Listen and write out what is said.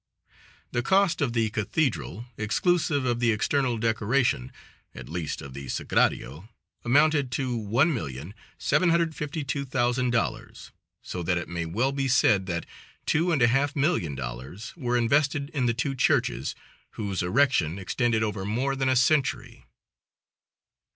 The cost of the cathedral, exclusive of the external decoration, at least of the Sagrario, amounted to $1,752.000, so that it may well be said that two and a half million dollars were invested in the two churches, whose erection extended over more than a century.